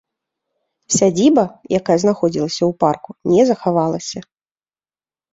Сядзіба, якая знаходзілася ў парку, не захавалася.